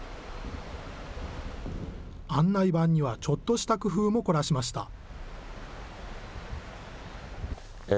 案内板にはちょっとした工夫も凝らしました。